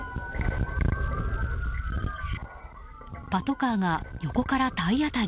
パトカーが横から体当たり。